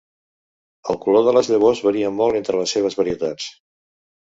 El color de les llavors varia molt entre les seves varietats.